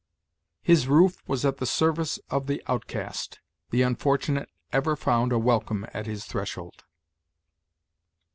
"His roof was at the service of the outcast; the unfortunate ever found a welcome at his threshold."